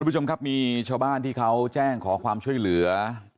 ผู้ชมครับมีชาวบ้านที่เขาแจ้งขอความช่วยเหลือ